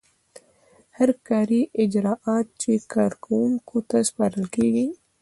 هر کاري اجراات چې کارکوونکي ته سپارل کیږي.